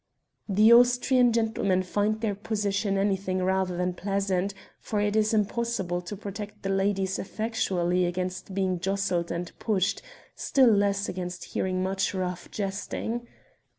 The Austrian gentlemen find their position anything rather than pleasant, for it is impossible to protect the ladies effectually against being jostled and pushed, still less against hearing much rough jesting.